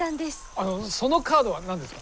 あのそのカードは何ですか？